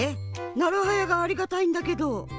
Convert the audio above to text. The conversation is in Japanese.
なるはやがありがたいんだけど。